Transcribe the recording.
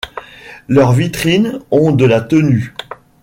Leurs vitrines ont de la tenue.